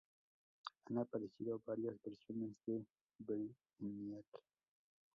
Han aparecido varias versiones de Brainiac.